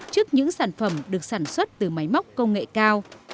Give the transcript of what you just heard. trước những sản phẩm được sản xuất từ máy móc công nghệ cao